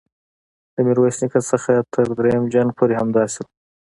د میرویس نیکه څخه تر دریم جنګ پورې همداسې وه.